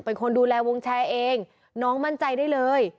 เป็นคนดูแลวงแชร์เองน้องมั่นใจได้เลย